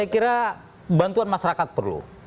saya kira bantuan masyarakat perlu